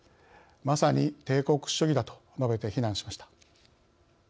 まさに帝国主義だ」と述べて非難しました。